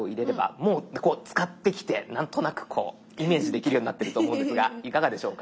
もう使ってきて何となくこうイメージできるようになってると思うんですがいかがでしょうか？